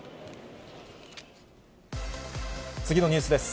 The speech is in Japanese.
次のニュースです。